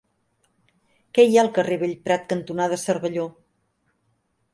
Què hi ha al carrer Bellprat cantonada Cervelló?